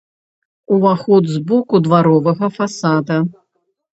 Уваход з боку дваровага фасада.